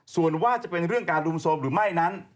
ส่วนว่าจะเป็นเรื่องการรุมโทรมหรือไม่นั้น